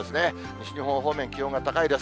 西日本方面、気温が高いです。